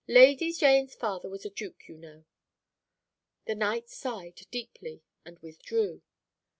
Lady Jane's father was a duke, you know." "The knight sighed deeply, and withdrew.